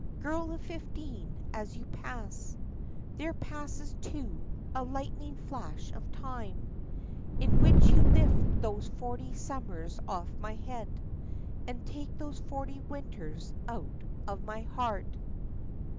Girl of fifteen, as you pass There passes, too, a lightning flash of time In which you lift those forty summers off my head, And take those forty winters out of my heart.